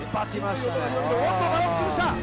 おっとバランス崩した！